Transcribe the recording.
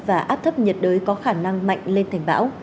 và áp thấp nhiệt đới có khả năng mạnh lên thành bão